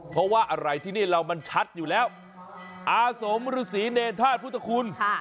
เพราะว่าอะไรที่นี่เรามันชัดอยู่แล้วอาสมฤษีเนรธาตุพุทธคุณ